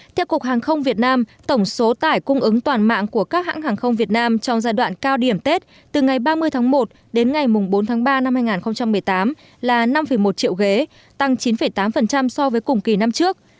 theo cục hàng không việt nam tổng số tải cung ứng toàn mạng của các hãng hàng không việt nam trong giai đoạn cao điểm tết từ ngày ba mươi tháng một đến ngày bốn tháng ba năm hai nghìn một mươi tám là năm một triệu ghế tăng chín tám so với cùng kỳ năm trước